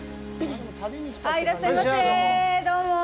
いらっしゃいませ。